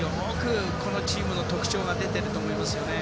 このチームの特徴が出ていると思いますよね。